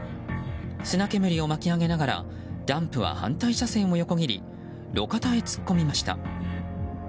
砂煙を巻き上げながらダンプは反対車線を横切り路肩へ突っ込みました。